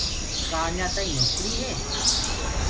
ڪآ اڃآ تآئينٚ نوڪري هي؟